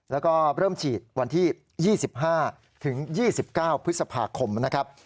แล้วก็เริ่มฉีดวันที่๒๕ถึง๒๙พฤษภาคมนะครับ